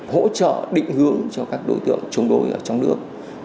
hỗ trợ định hướng cho các đối tượng chống đối ở trong nước